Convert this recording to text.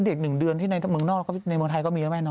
เด็ก๑เดือนที่ในเมืองนอกในเมืองไทยก็มีนะแม่เน